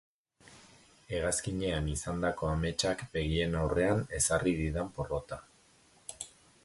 Hegazkinean izandako ametsak begien aurrean ezarri didan porrota.